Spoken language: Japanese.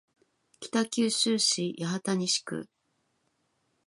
北九州市八幡西区